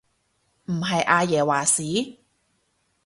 唔係阿爺話事？